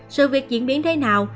sự việc diễn biến thế nào